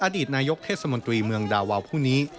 อดีตนายกเทศมนตรีเมืองดาวาวผู้นี้